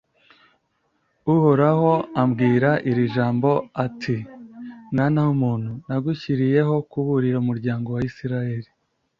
Uhoraho ambwira iri jambo, ati "Mwana w'umuntu, nagushyiriyeho kuburira umuryango wa Israheli.